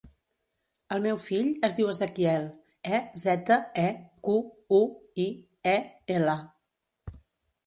El meu fill es diu Ezequiel: e, zeta, e, cu, u, i, e, ela.